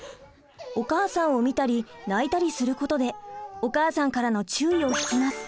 お母さんを見たり泣いたりすることでお母さんからの注意を引きます。